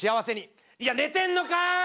いや寝てんのかい！